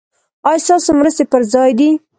ایا ستاسو مرستې پر ځای دي؟